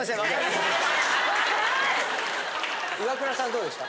イワクラさんどうでした？